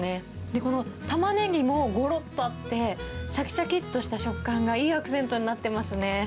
このタマネギもごろっとあって、しゃきしゃきっとした食感が、いいアクセントになってますね。